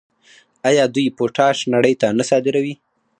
آیا دوی پوټاش نړۍ ته نه صادروي؟